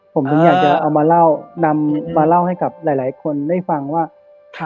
ผมถึงอยากจะเอามาเล่านำมาเล่าให้กับหลายหลายคนได้ฟังว่า